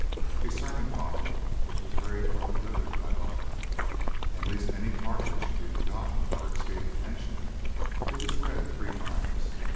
A sermon followed, which was very well delivered by Buffet; and lest any part of it should be forgotten or escape attention, it was read three times.